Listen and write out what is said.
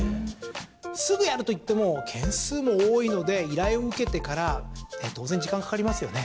すぐやるといっても件数も多いので依頼を受けてから当然、時間かかりますよね。